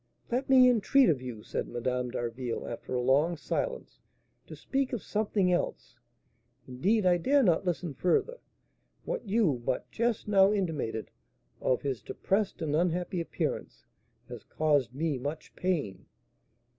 "Let me entreat of you," said Madame d'Harville, after a long silence, "to speak of something else; indeed I dare not listen further: what you but just now intimated of his depressed and unhappy appearance has caused me much pain."